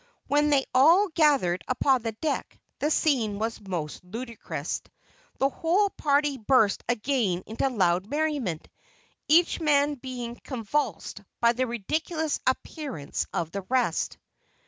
When they all gathered upon the deck, the scene was most ludicrous. The whole party burst again into loud merriment, each man being convulsed by the ridiculous appearance of the rest.